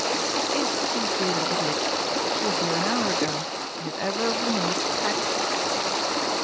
"He IS too great an idiot. She was here an hour ago, and if ever a woman was packed